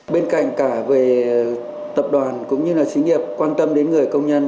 bên cạnh cả về tập đoàn cũng như là xí nghiệp quan tâm đến người công nhân